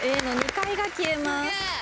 Ａの２階が消えます。